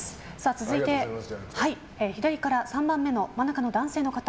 続いて、左から３番目の真ん中の男性の方。